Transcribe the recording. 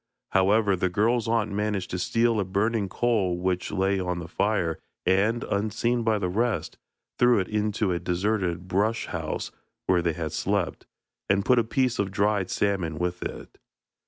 However, the girl's aunt managed to steal a burning coal which lay on the fire, and, unseen by the rest, threw it into a deserted brush house where they had slept, and put a piece of dried salmon with it.